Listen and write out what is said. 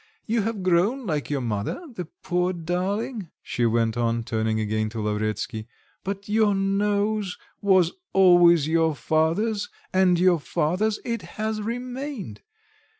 You have grown like your mother, the poor darling," she went on turning again to Lavretsky, "but your nose was always your father's, and your father's it has remained.